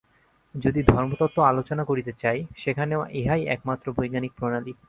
যদি ধর্মতত্ত্ব আলোচনা করিতে চাই, সেখানেও ইহাই একমাত্র বৈজ্ঞানিক প্রণালী।